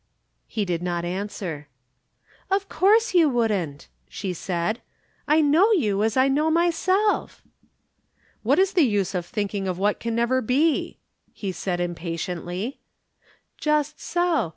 He did not answer. "Of course you wouldn't," she said. "I know you as I know myself." "What is the use of thinking of what can never be!" he said impatiently. "Just so.